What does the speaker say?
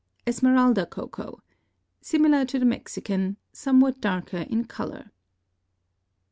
Esmeralda Cocoa.—Similar to the Mexican; somewhat darker in color.